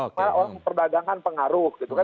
karena orang memperdagangkan pengaruh gitu kan